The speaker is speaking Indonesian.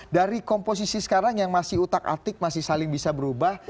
dari komposisi sekarang yang masih utak atik masih saling bisa berubah